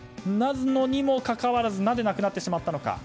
にもかかわらずなぜなくなってしまったのか。